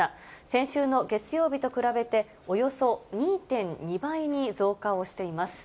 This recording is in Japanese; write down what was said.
先週の月曜日と比べて、およそ２．２倍に増加をしています。